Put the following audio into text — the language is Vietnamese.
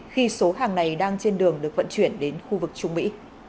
khi số hàng này đang trên đường được vận chuyển đến khu vực trung mỹ